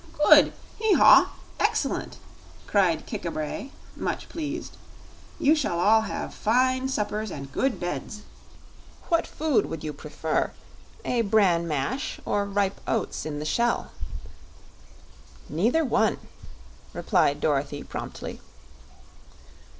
"Good! Hee haw! Excellent!" cried Kik a bray, much pleased. "You shall all have fine suppers and good beds. What food would you prefer, a bran mash or ripe oats in the shell?" "Neither one," replied Dorothy, promptly.